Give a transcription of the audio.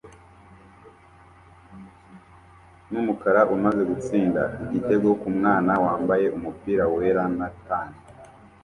numukara umaze gutsinda igitego kumwana wambaye umupira wera na tan.